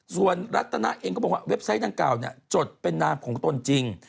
ส่วนรัตนาเองก็บอกว่าเว็บไซต์ดังกล่าวจดเป็นนามของตนจริง